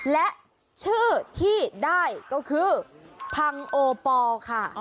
และชื่อที่ได้ก็คือพังโอปอล์ค่ะ